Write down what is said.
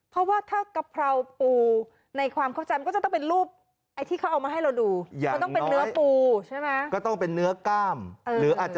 เพราะว่าถ้ากะเพราปูในความเข้าใจมันก็จะต้องเป็นรูปไอ้ที่เขาเอามาให้เราดู